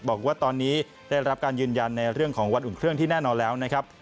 บอกว่าตอนนี้ได้รับการยืนยันในเรื่องของวันอุ่นเครื่องที่แน่นอนแล้วนะครับ